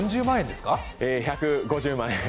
１５０万円。